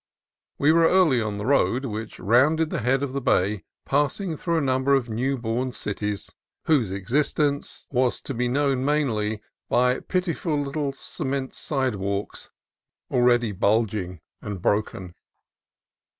We were early on the road, which rounded the head of the bay, passing through a num ber of new born "cities" whose existence was to be 240 CALIFORNIA COAST TRAILS known mainly by pitiful little cement sidewalks, already bulging and broken.